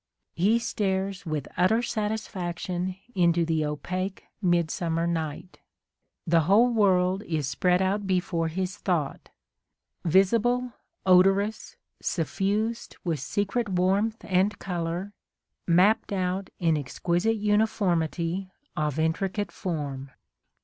He stares with utter satisfaction into the opaque mid summer night. ... The whole world is spread out before his thought, — visible, odorous, suf fused with secret warmth and colour, mapped out in exquisite uniformity of intricate form.